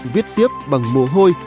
viết tiếp bằng mồ hôi